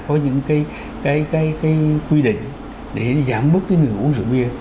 có những cái quy định để giảm bớt cái người uống rượu bia